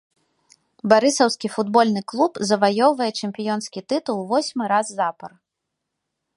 Барысаўскі футбольны клуб заваёўвае чэмпіёнскі тытул восьмы раз запар.